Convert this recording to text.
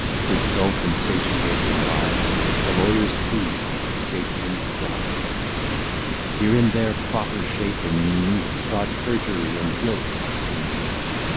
This gulf insatiate imbibes The lawyer's fees, the statesman's bribes. Here, in their proper shape and mien, Fraud, perjury, and guilt are seen.